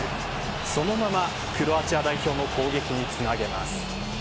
そのままクロアチア代表の攻撃につなげます。